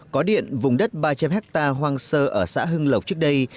có điện vùng đất ba trăm linh hectare hoang sơ ở xã hưng lộc trước đây